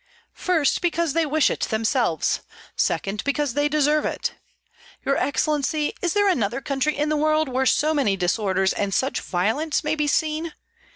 "First, because they wish it themselves; second, because they deserve it. Your excellency, is there another country in the world where so many disorders and such violence may be seen?